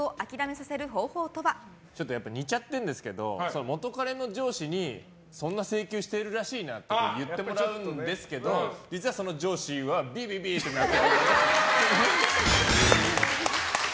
似ちゃってるんですけど元カレの上司にそんな請求してるらしいなって言ってもらうんですけど実は、その上司はビリビリってなって。